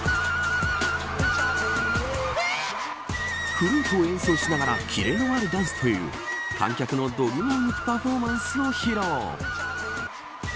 フルートを演奏しながら切れのあるダンスという観客の度肝を抜くパフォーマンスを披露。